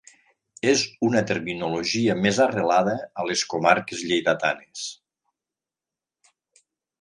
És una terminologia més arrelada a les comarques lleidatanes.